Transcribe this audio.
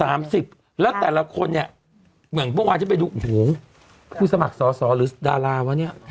แล้วแต่ละคนเนี่ยเหมือนเมื่อวานที่ไปดูโอ้โหผู้สมัครสอสอหรือดาราวะเนี่ย